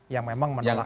yang memang menolak ahok